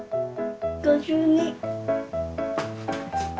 ５２。